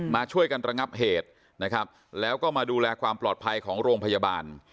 มาช่วยกันระงับเหตุนะครับแล้วก็มาดูแลความปลอดภัยของโรงพยาบาล